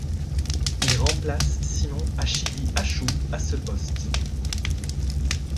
Il remplace Simon Achidi Achu à ce poste.